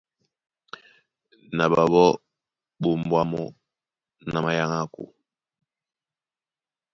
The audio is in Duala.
Na ɓaɓɔ́ ɓá ombwá mɔ́ na mayaŋako.